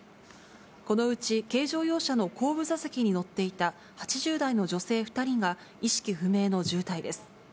このうち軽乗用車の後部座席に乗っていた８０代の女性２人が意識不明の重体です。